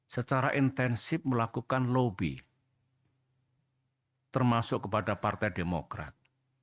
secara intensif melakukan lobby termasuk kepada partai demokrat